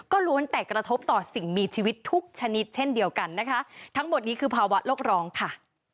ก็ล้วนแต่กระทบต่อสิ่งมีชีวิตทุกชนิดเช่นเดียวกันนะคะทั้งหมดนี้คือภาวะโลกร้องค่ะ